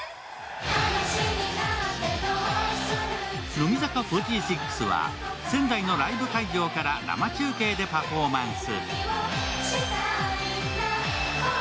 乃木坂４６は仙台のライブ会場から生中継でパフォーマンス。